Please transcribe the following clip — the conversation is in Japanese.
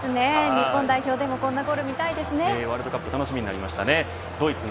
日本代表でもこのゴール見たいですね。